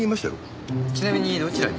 ちなみにどちらに？